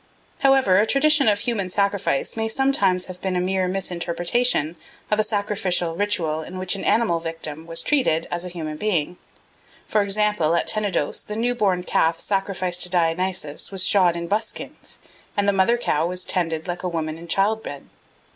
However, a tradition of human sacrifice may sometimes have been a mere misinterpretation of a sacrificial ritual in which an animal victim was treated as a human being. For example, at Tenedos the new born calf sacrificed to Dionysus was shod in buskins, and the mother cow was tended like a woman in child bed.